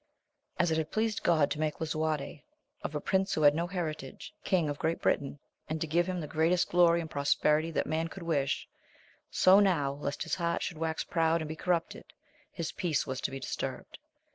S it had pleased God to make Lisuarte, of a prince who had no heritage, king of Great Britain, and to give him the greatest glory and prosperity that man could wish, so now, lest his heart should wax proud and be corrupted, his peace was to be disturbed.